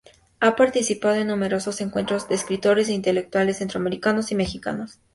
Ha participado en numerosos encuentros de escritores e intelectuales centroamericanos y mexicanos.